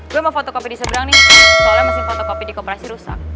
gue mau foto kopi diseberang nih soalnya mesin foto kopi dikoperasi rusak